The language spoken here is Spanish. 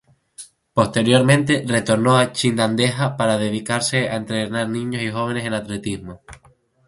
Posteriormente retornó a Chinandega para dedicarse a entrenar niños y jóvenes en Atletismo.